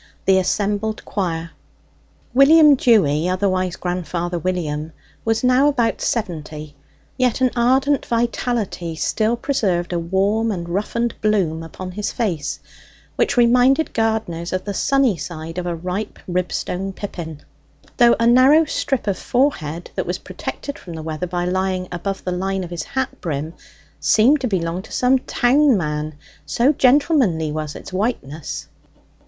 THE ASSEMBLED QUIRE William Dewy otherwise grandfather William was now about seventy; yet an ardent vitality still preserved a warm and roughened bloom upon his face, which reminded gardeners of the sunny side of a ripe ribstone pippin; though a narrow strip of forehead, that was protected from the weather by lying above the line of his hat brim, seemed to belong to some town man, so gentlemanly was its whiteness.